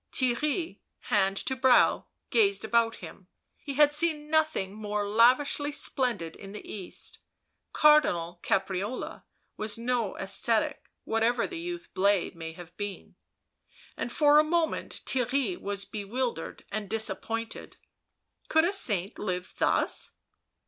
Theirry, hand to brow, gazed about him. He had seen nothing more lavishly splendid in the East ; Cardinal Caprarola was no ascetic whatever the youth Blaise may have been, and for a moment Theirry was bewildered and disappointed — could a saint live thus